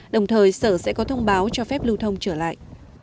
đồng thời sở sẽ có thông báo cho phép lưu thông trở lại